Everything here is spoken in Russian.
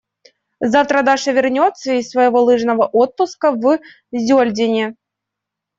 Завтра Даша вернется из своего лыжного отпуска в Зёльдене.